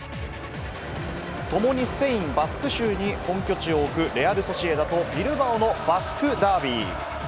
ともにスペイン・バスク州に本拠地を置くレアル・ソシエダと、ビルバオのバスクダービー。